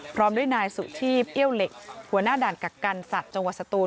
พร้อมด้วยนายสุชีพเอี้ยวเหล็กหัวหน้าด่านกักกันสัตว์จังหวัดสตูน